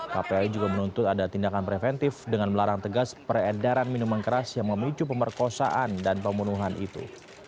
kpai juga menuntut ada tindakan preventif dengan melarang tegas peredaran minuman keras yang memicu pemerkosaan dan pembunuhan itu